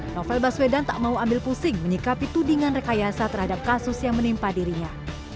novel baswedan tak mau ambil pusing menyikapi tudingan rekayasa terhadap kasus yang menimpa dirinya